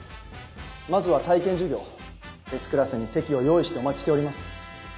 まずは体験授業Ｓクラスに席を用意してお待ちしております。